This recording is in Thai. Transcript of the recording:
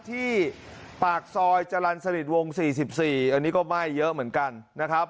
ที่ปากซอยจรรย์สนิทวง๔๔อันนี้ก็ไหม้เยอะเหมือนกันนะครับ